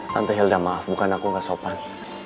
tante helda maaf bukan aku gak sopan